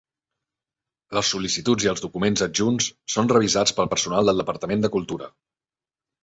Les sol·licituds i els documents adjunts són revisats pel personal del Departament de Cultura.